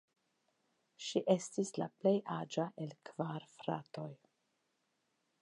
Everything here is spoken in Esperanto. Ŝi estis la plej aĝa el kvar fratoj.